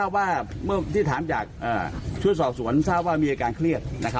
ไม่มีนะครับไม่มีนะ